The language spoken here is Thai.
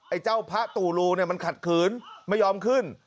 ไอ้เจ้าพระตุรูมันขัดขืนไม่ยอมขึ้น